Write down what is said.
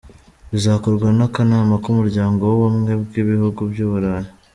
Bizakorwa n'Akanama k'Umuryango w'Ubumwe bw'ibihugu by'Uburayi.